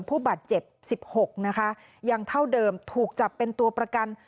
ผู้บาดเจ็บ๑๖นะคะยังเท่าเดิมถูกจับเป็นตัวประกัน